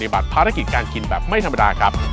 บัตรภารกิจการกินแบบไม่ธรรมดาครับ